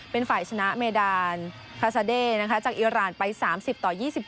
เป็นฝ่ายชนะเมดานคาซาเด้จากอิราณไป๓๐ต่อ๒๗